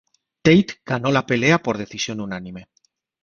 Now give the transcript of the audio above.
Tate ganó la pelea por decisión unánime.